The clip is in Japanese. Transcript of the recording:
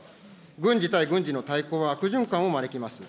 軍事対軍事の対抗は悪循環を招きます。